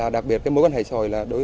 đặc biệt mối quan hệ xã hội